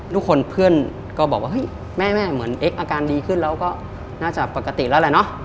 ทุกคนเพื่อนก็บอกว่าเฮ้ยแม่เหมือนเอ็กอาการดีขึ้นแล้วก็น่าจะปกติแล้วแหละเนอะ